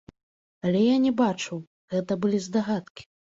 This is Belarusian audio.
Але я не бачыў, гэта былі здагадкі.